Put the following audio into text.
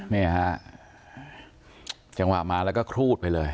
นี่ฮะจังหวะมาแล้วก็ครูดไปเลย